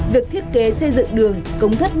việc thiết kế xây dựng đường công tức đường